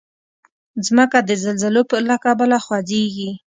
مځکه د زلزلو له کبله خوځېږي.